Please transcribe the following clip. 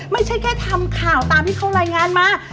ไม่ใช่แค่ทำข่าวตามที่เขารายงานมา